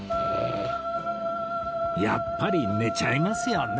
やっぱり寝ちゃいますよね